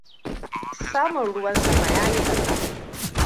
Samun ruwan sama yayi ƙasa.